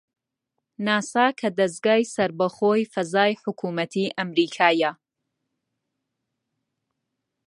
ناسا کە دەزگای سەربەخۆی فەزای حکوومەتی ئەمریکایە